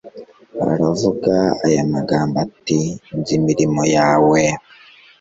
aravuga aya magambo ati: 'Nzi imirimo yawe